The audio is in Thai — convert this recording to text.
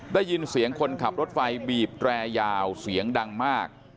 ได้ยินเสียงคนขับรถไฟบีบแตรยาวเสียงดังมาก